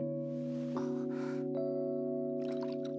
あっ。